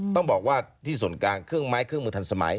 ต้องบอกว่าที่ส่วนกลางเครื่องไม้เครื่องมือทันสมัย